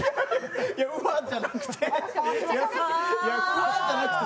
いや、うわ、じゃなくて。